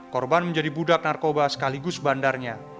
korban menjadi budak narkoba sekaligus bandarnya